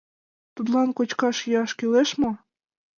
Тудлан кочкаш-йӱаш кӱлеш мо?